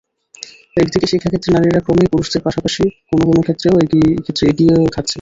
একদিকে শিক্ষাক্ষেত্রে নারীরা ক্রমেই পুরুষদের পাশাপাশি, কোনো কোনো ক্ষেত্রে এগিয়েও থাকছেন।